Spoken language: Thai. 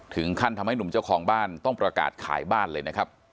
ถึงขั้นทำให้หนุ่มเจ้าของบ้านต้องประกาศขายบ้านเลยนะครับ